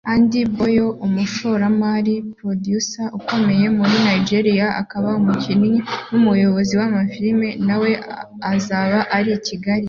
Andy Boyo umushoramari (Producer) ukomeye muri Nigeria akaba umukinnyi n'umuyobozi w'amafilime nawe azaba ari Kigali